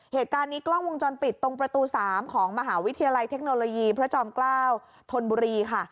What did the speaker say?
เหตุการณ์นี้กล้องวงจรปิดตรงประตู๓ของมหาวิทยาลัยเทคโนโลยีพระจอมเกล้าธนบุรีค่ะ